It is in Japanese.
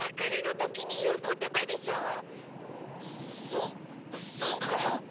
そっそうかも！